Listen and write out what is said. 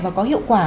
và có hiệu quả